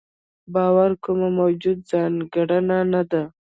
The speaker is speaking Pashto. باور کومه موجوده ځانګړنه نه ده.